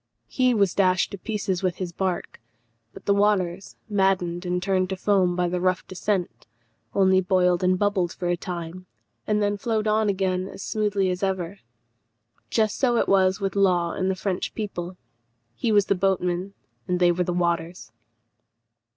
He was dashed to pieces with his bark, but the waters, maddened and turned to foam by the rough descent, only boiled and bubbled for a time, and then flowed on again as smoothly as ever. Just so it was with Law and the French people. He was the boatman, and they were the waters.